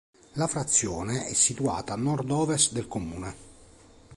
La frazione è situata a nord-ovest del comune.